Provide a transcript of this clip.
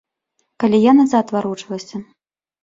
Калі я назад варочалася.